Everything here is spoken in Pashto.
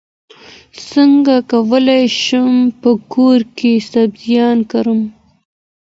څنګه کولی شم په کور کې سبزیان کرم